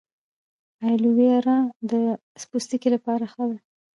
ایلوویرا د پوستکي لپاره ښه ده